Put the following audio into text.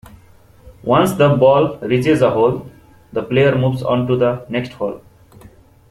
Once the ball reaches a hole, the player moves on to the next hole.